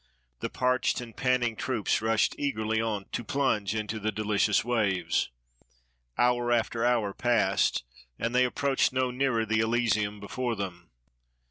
The parched and panting troops rushed eagerly on to plunge into the deUcious waves. Hour after hour passed, and they approached no nearer tlie elysium before them.